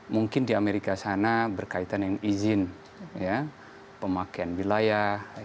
mungkin di amerika sana berkaitan dengan izin pemakaian wilayah